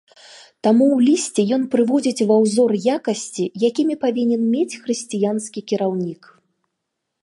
Таму ў лісце ён прыводзіць ва узор якасці, якімі павінен мець хрысціянскі кіраўнік.